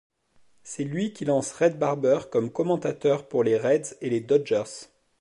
C'est lui qui lance Red Barber comme commentateur pour les Reds et les Dodgers.